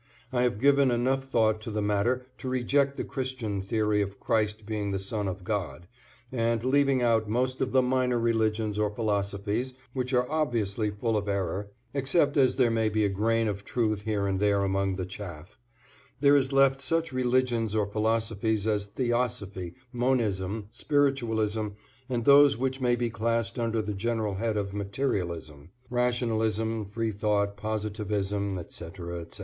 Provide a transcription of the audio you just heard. I have given enough thought to the matter to reject the Christian theory of Christ being the son of God, and, leaving out most of the minor religions or philosophies which are obviously full of error (except as there may be a grain of truth here and there among the chaff), there is left such religions or philosophies as Theosophy, Monism, Spiritualism, and those which may be classed under the general head of Materialism (Rationalism, Free Thought, Positivism, etc., etc.)